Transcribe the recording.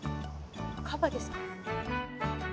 カバですか？